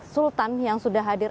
sultan yang sudah hadir